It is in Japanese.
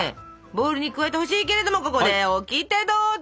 ボウルに加えてほしいけれどもここでオキテどうぞ！